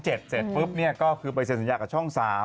เสร็จปุ๊บก็คือไปเซ็นสัญญากับช่อง๓